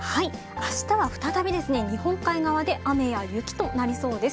あしたは再び、日本海側で雨や雪となりそうです。